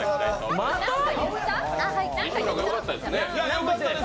よかったです。